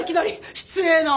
失礼な！